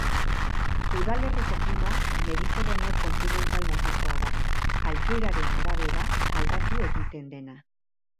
Udalerriko klima mediterraneo-kontinental motakoa da, altueraren arabera, aldatu egiten dena.